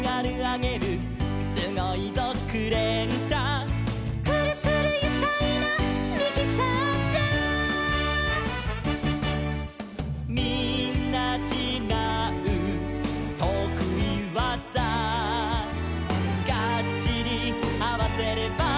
「すごいぞクレーンしゃ」「くるくるゆかいなミキサーしゃ」「みんなちがうとくいわざ」「ガッチリあわせれば」